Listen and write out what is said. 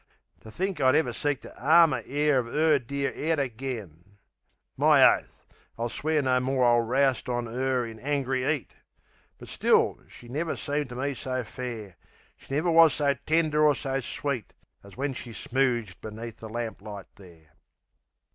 To think I'd ever seek to 'arm a 'air Of 'er dear 'ead agen! My oath, I swear No more I'll roust on 'er in angry 'eat! But still, she never seemed to me so fair; She never wus so tender or so sweet As when she smooged beneath the lamplight there.